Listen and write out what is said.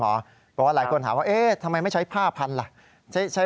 เพราะว่าหลายคนถามว่าเอ๊ะทำไมไม่ใช้ผ้าพันธุ์ล่ะ